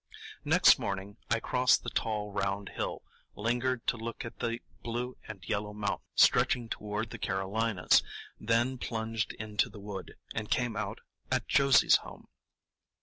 Next morning I crossed the tall round hill, lingered to look at the blue and yellow mountains stretching toward the Carolinas, then plunged into the wood, and came out at Josie's home.